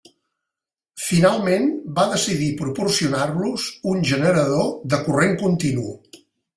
Finalment va decidir proporcionar-los un generador de corrent continu.